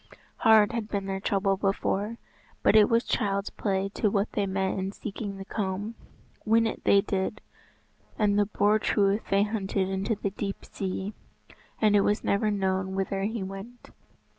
Hard had been their trouble before, but it was child's play to what they met in seeking the comb. Win it they did, and the Boar Truith they hunted into the deep sea, and it was never known whither he went.